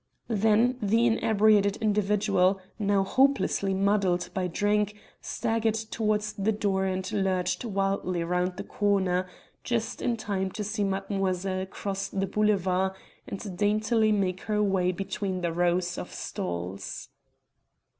Then the inebriated individual, now hopelessly muddled by drink, staggered towards the door and lurched wildly round the corner, just in time to see mademoiselle cross the Boulevard and daintily make her way between the rows of stalls.